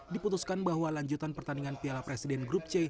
diputuskan bahwa lanjutan pertandingan piala presiden grup c